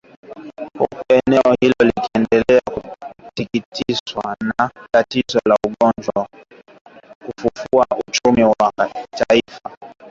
Huku eneo hilo likiendelea kutikiswa na tatizo la ugonjwa wa virusi vya Korona kumi na tisa katika kufufua uchumi wa taifa